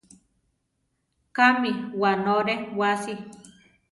¿Kámi wánore wasi?